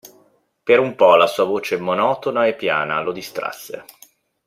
Per un po' la sua voce monotona e piana lo distrasse.